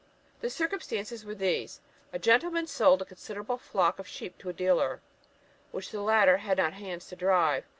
The circumstances were these: A gentleman sold a considerable flock of sheep to a dealer, which the latter had not hands to drive.